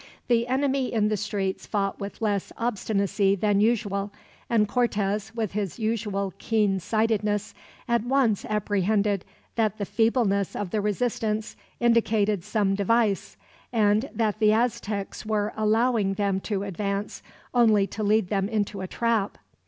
The enemy in the streets fought with less obstinacy than usual; and Cortez, with his usual keen sightedness, at once apprehended that the feebleness of the resistance indicated some device, and that the Aztecs were allowing them to advance, only to lead them into a trap.